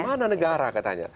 di mana negara katanya